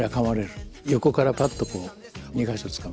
横からぱっとこう２か所つかむ。